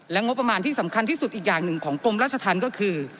งบประมาณที่สำคัญที่สุดอีกอย่างหนึ่งของกรมราชธรรมก็คือ